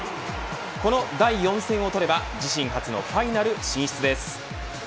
この第４戦を取れば自身初のファイナル進出です。